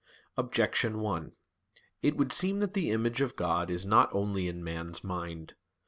Objection 1: It would seem that the image of God is not only in man's mind.